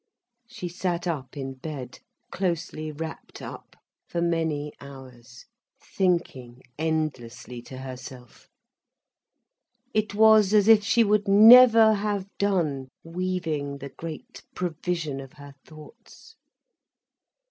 She sat up in bed, closely wrapped up, for many hours, thinking endlessly to herself. It was as if she would never have done weaving the great provision of her thoughts.